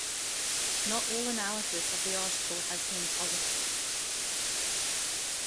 Not all analysis of the article has been positive.